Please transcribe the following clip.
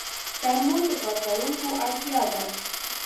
ترموز د کارکوونکو اړتیا ده.